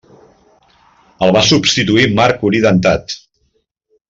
El va substituir Marc Curi Dentat.